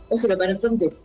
oh sudah pada tentu